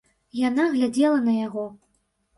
Яна глядзела на яго.